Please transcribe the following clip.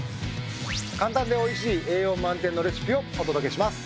簡単でおいしい栄養満点のレシピをお届けします。